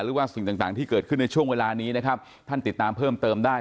หรือว่าสิ่งต่างที่เกิดขึ้นในช่วงเวลานี้นะครับท่านติดตามเพิ่มเติมได้